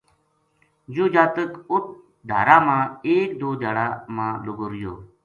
یوہ جاتک اُت ڈھارا ما ایک یا دو دھیاڑا ما لُگو رہیو